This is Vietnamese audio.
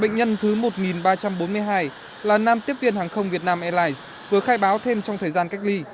bệnh nhân thứ một ba trăm bốn mươi hai là nam tiếp viên hàng không việt nam airlines vừa khai báo thêm trong thời gian cách ly